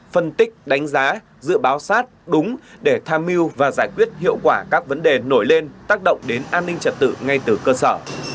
phân tích đánh giá dự báo sát đúng để tham mưu và giải quyết hiệu quả các vấn đề nổi lên tác động đến an ninh trật tự ngay từ cơ sở